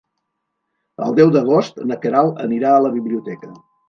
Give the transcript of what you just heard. El deu d'agost na Queralt anirà a la biblioteca.